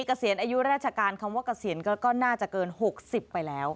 เกษียณอายุราชการคำว่าเกษียณก็น่าจะเกิน๖๐ไปแล้ว